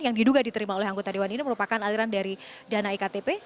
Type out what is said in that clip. yang diduga diterima oleh anggota dewan ini merupakan aliran dari dana iktp